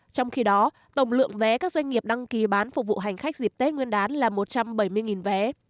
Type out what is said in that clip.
trong khi đó tổng lượng vé các doanh nghiệp đăng ký bán phục vụ hành khách dịp tết nguyên đán là một trăm bảy mươi vé